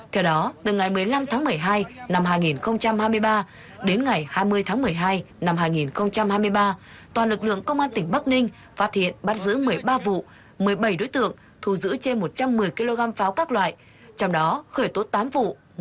theo đó từ ngày một mươi năm tháng một mươi hai năm hai nghìn hai mươi ba đến ngày hai mươi tháng một mươi hai năm hai nghìn hai mươi ba toàn lực lượng công an tỉnh bắc ninh phát hiện bắt giữ một mươi ba vụ một mươi bảy đối tượng thu giữ trên một trăm một mươi kg pháo các loại trong đó khởi tốt tám vụ